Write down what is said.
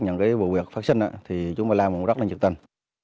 trong cái bộ việc phát sinh thì chú ma lam cũng rất là nhịp tình